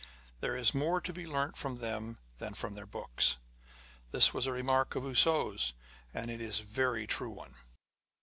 There is more to be learnt from them than from their books. This was a remark of Eousseau's, and it is a very true one.